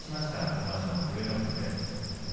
今場所の照ノ富士です。